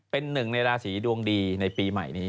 เป็นหนึ่งในราศีดวงดีในปีใหม่นี้